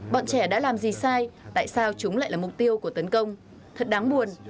bọn trẻ đã làm gì sai tại sao chúng lại là mục tiêu của tấn công thật đáng buồn